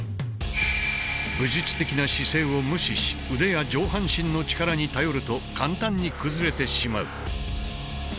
武術的な姿勢を無視し腕や上半身の力に頼ると簡単に崩れてしまう。